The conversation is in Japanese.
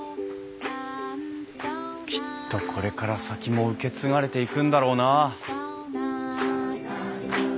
きっとこれから先も受け継がれていくんだろうなあ。